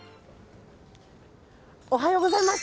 おはようございます。